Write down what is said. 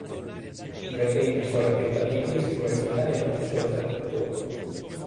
Divertenti i suoi tentativi di esprimersi in italiano coi i suoi interlocutori.